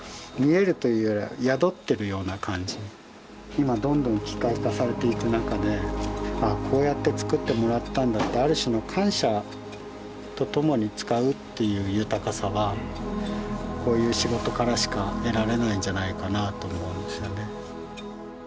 今どんどん機械化されていく中で「ああこうやってつくってもらったんだ」ってある種の感謝とともに使うっていう豊かさはこういう仕事からしか得られないんじゃないかなと思うんですよね。